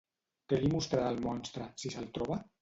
Què li mostrarà al monstre, si se'l troba?